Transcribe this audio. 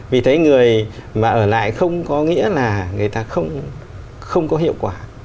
vì thấy người mà ở lại không có nghĩa là người ta không có hiệu quả